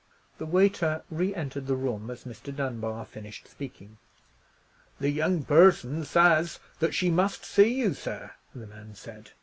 The waiter re entered the room as Mr. Dunbar finished speaking. "The young person says that she must see you, sir," the man said.